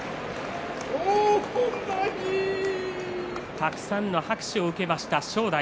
たくさんの拍手を受けました正代。